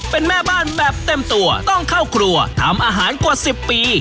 เป็นแม่บ้านแบบเต็มตัวต้องเข้าครัวทำอาหารกว่า๑๐ปี